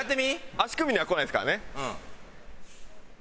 足首にはこないですからね。